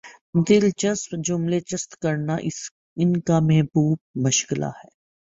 دلچسپ جملے چست کرنا ان کامحبوب مشغلہ ہے